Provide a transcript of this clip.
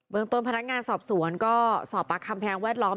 เมืองต้นพนักงานสอบสวนก็สอบปากคำแพงแวดล้อม